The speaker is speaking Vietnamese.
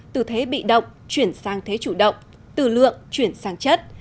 từ thế bị động chuyển sang thế chủ động từ lượng chuyển sang chất